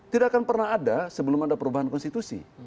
tidak akan pernah ada sebelum ada perubahan konstitusi